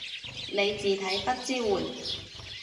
你字體不支援